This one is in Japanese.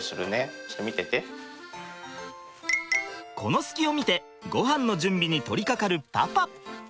この隙を見てごはんの準備に取りかかるパパ！